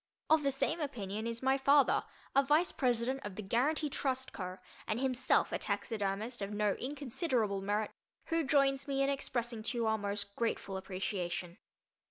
Of the same opinion is my father, a vice president of the Guaranty Trust Co., and himself a taxidermist of no inconsiderable merit, who joins me in expressing to you our most grateful appreciation.